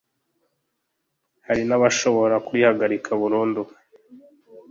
Hari n’abashobora kurihagarika burundu